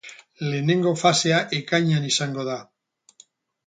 Lehenengo fasea ekainean izango da.